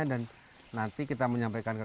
dan nanti kita menyampaikan kepasangan